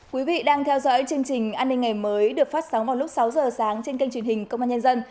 quý vị đang theo dõi chương trình an ninh ngày mới được phát sóng vào lúc sáu giờ sáng trên kênh truyền hình công an nhân dân